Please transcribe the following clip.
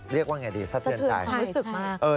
เรียกว่าไงดีสะเทือนใจมาก